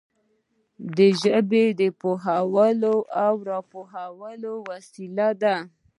ژبه د پوهولو او را پوهولو وسیله ده